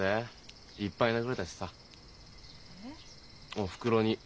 おふくろに。